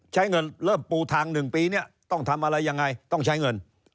ใช้เงินเริ่มปูทางหนึ่งปีนี้ต้องทำอะไรอย่างไรต้องใช้เงิน